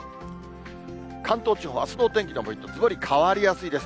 関東地方、あすのお天気のポイント、ずばり変わりやすいです。